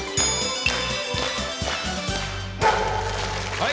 はい。